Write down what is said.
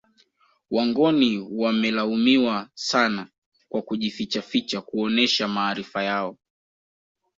Wangoni wamelaumiwa sana kwa kujifichaficha kuonesha maarifa yao